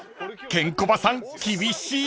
［ケンコバさん厳しい！］